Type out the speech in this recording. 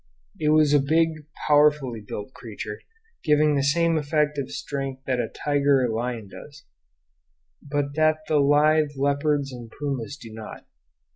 It was a big, powerfully built creature, giving the same effect of strength that a tiger or lion does, and that the lithe leopards and pumas do not.